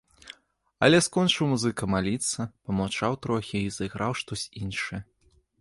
Але скончыў музыка маліцца, памаўчаў трохі і зайграў штось іншае.